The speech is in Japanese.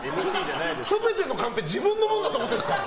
全てのカンペ自分のものだと思ってんすか！